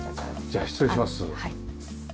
じゃあ失礼します。